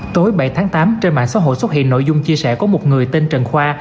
tối bảy tháng tám trên mạng xã hội xuất hiện nội dung chia sẻ của một người tên trần khoa